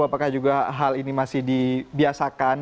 apakah juga hal ini masih dibiasakan